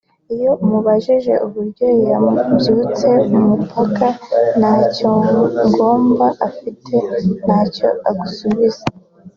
Iyo umubabajije uburyo yambutse umupaka nta cyangombwa afite ntacyo agusubiza